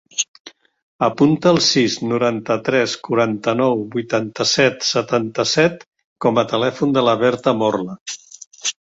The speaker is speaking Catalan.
Apunta el sis, noranta-tres, quaranta-nou, vuitanta-set, setanta-set com a telèfon de la Berta Morla.